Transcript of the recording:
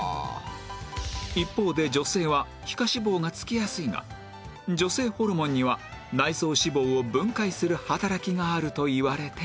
一方で女性は皮下脂肪がつきやすいが女性ホルモンには内臓脂肪を分解する働きがあるといわれている